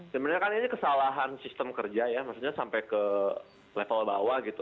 sebenarnya kan ini kesalahan sistem kerja ya maksudnya sampai ke level bawah gitu